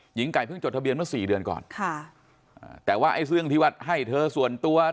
หญิงไก่เพิ่งจดทะเบียนเมื่อสี่เดือนก่อนค่ะอ่าแต่ว่าไอ้เรื่องที่ว่าให้เธอส่วนตัว